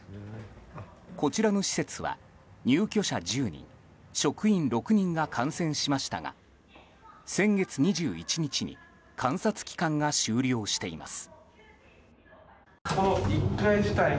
こちらの施設は入居者１０人職員６人が感染しましたが先月２１日に観察期間が終了しています。